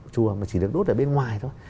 chùa mà chỉ được đốt ở bên ngoài thôi